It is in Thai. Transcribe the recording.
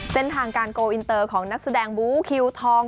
เส้นทางการโกลอินเตอร์ของนักแสดงบูคิวทอง